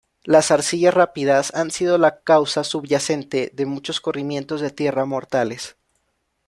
Las arcillas rápidas han sido la causa subyacente de muchos corrimientos de tierra mortales.